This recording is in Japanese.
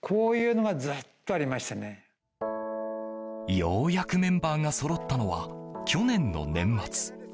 ようやくメンバーがそろったのは、去年の年末。